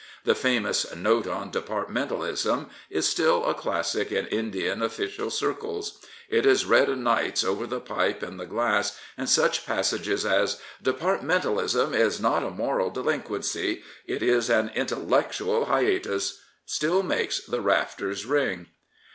The famous Note on Departmentalism is still a classic in Indian official circles. It is read o' nights over the pipe and the glass, and such passages as " Departmentalism is not a moral delinquency. It is an intellectual hiatus " still make the rafters ring.